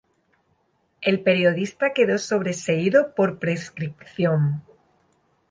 El periodista quedo sobreseído, por prescripción.